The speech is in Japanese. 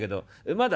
まだ？